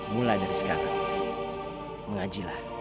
mulai dari sekarang mengajilah